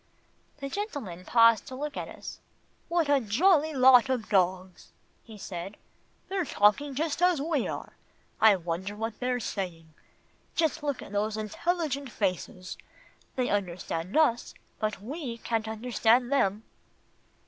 The gentleman paused to look at us. "What a jolly lot of dogs," he said "they're talking just as we are. I wonder what they're saying. Just look at those intelligent faces. They understand us, but we can't understand them."